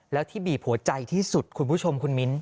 แล้วที่บีบหัวใจที่สุดคุณผู้ชมคุณมิ้น